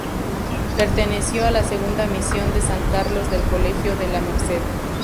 Perteneció a la Segunda Misión de San Carlos del Colegio de la Merced.